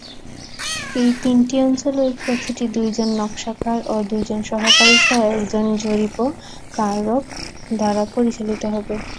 এই তিনটি অঞ্চলের প্রতিটি দুইজন নকশাকার ও দুইজন সহকারীসহ একজন জরিপকারক দ্বারা পরিচালিত হবে।